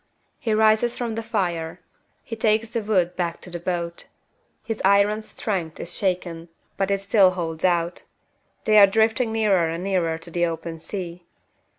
He rises from the fire; he takes the wood back to the boat. His iron strength is shaken, but it still holds out. They are drifting nearer and nearer to the open sea.